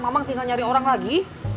kamu mau cari orang lagi